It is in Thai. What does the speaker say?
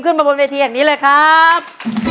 ขึ้นมาบนเวทีอย่างนี้เลยครับ